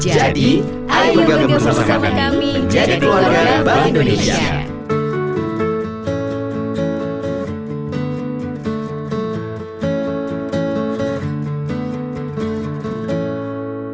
jadi ayo bergabung bersama kami menjadi keluarga bank indonesia